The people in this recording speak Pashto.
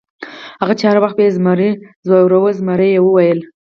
هغه چې هر وخت به یې زمري ځوراوه، زمري وویل.